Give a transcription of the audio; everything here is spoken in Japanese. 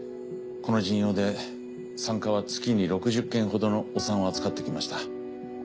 この陣容で産科は月に６０件ほどのお産を扱ってきました。